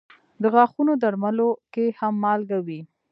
د غاښونو درملو کې هم مالګه وي.